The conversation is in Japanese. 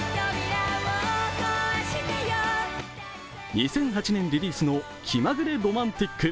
２００８年リリースの「気まぐれロマンティック」。